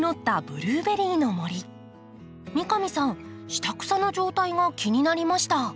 下草の状態が気になりました。